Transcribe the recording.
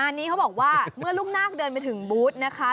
อันนี้เขาบอกว่าเมื่อลูกนาคเดินไปถึงบูธนะคะ